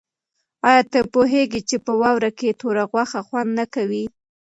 آیا ته پوهېږې چې په واوره کې توره غوښه خوند نه کوي؟